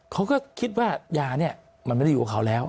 เขาก็คิดว่ายาเนี่ยมันไม่ได้อยู่กับเขาแล้ว